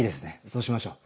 そうしましょう。